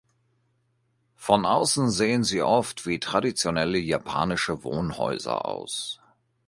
Von außen sehen sie oft wie traditionelle japanische Wohnhäuser aus.